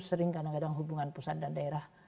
sering kadang kadang hubungan pusat dan daerah